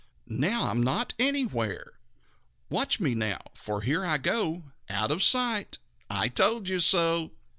Now I am not anywhere! Watch me now, for here I go Out of sight! I told you so!"